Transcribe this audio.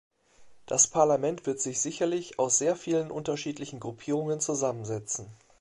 Das Parlament wird sich sicherlich aus sehr vielen unterschiedlichen Gruppierungen zusammensetzen.